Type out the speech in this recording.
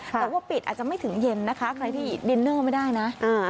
แต่ว่าปิดอาจจะไม่ถึงเย็นนะคะใครที่ดินเนอร์ไม่ได้นะ